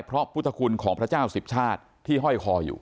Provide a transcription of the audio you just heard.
เพราะพุทธคุณของพระเจ้าสิบชาติที่ห้อยคออยู่